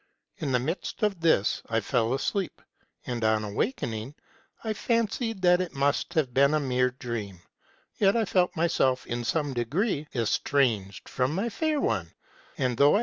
In the midst of this I fell asleep, and on awakening I fancied that it must have been a mere dream : yet I felt myself in some degree estranged from my fair one ; and, though I.